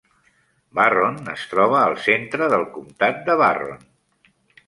Barron es troba al centre del comtat de Barron.